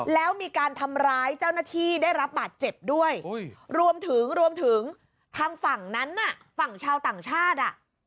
แล้วมีการทำร้ายเจ้าหน้าที่ได้รับบาดเจ็บด้วยรวมถึงรวมถึงทางฝั่งนั้นน่ะฝั่งชาวต่างชาติอ่ะ